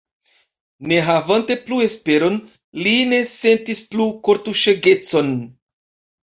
Ne havante plu esperon, li ne sentis plu kortuŝegecon.